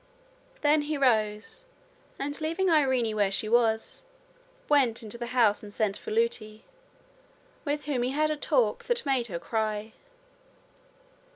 Then he rose and, leaving Irene where she was, went into the house and sent for Lootie, with whom he had a talk that made her cry.